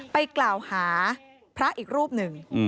ไปกล่าวหาพระอีกรูปหนึ่ง